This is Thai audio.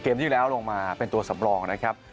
ที่แล้วลงมาเป็นตัวสำรองนะครับ